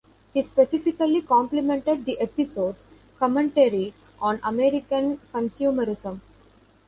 He specifically complimented the episode's commentary on American consumerism.